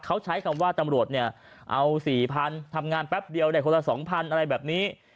เขาใช้คำว่าตำรวจเนี่ยเอา๔๐๐๐ทำงานแป๊บเดียวได้คนละ๒๐๐อะไรแบบนี้